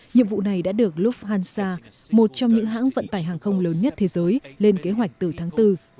nhiệm vụ này đã được lufthansa một trong những hãng vận tải hàng không lớn nhất thế giới lên kế hoạch từ tháng bốn